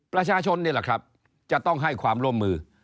ประชาชนนี่แหละครับจะต้องให้ความร่วมมือ